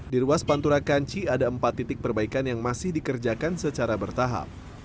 di ruas pantura kanci ada empat titik perbaikan yang masih dikerjakan secara bertahap